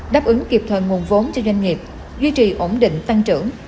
đáp ứng kịp thời nguồn vốn cho doanh nghiệp duy trì ổn định tăng trưởng